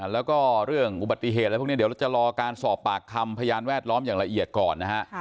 แล้วก็เรื่องอุบัติเหตุอะไรพวกนี้เดี๋ยวเราจะรอการสอบปากคำพยานแวดล้อมอย่างละเอียดก่อนนะฮะ